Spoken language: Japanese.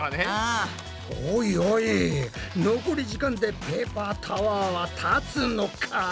おいおい残り時間でペーパータワーは立つのか？